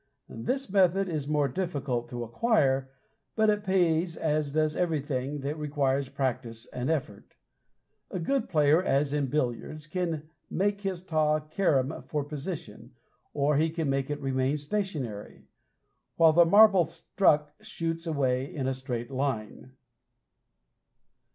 This method is more difficult to acquire, but it pays as does everything that requires practice and effort. A good player, as in billiards, can make his taw carom for position, or he can make it remain stationary, while the marble struck shoots away in a straight line.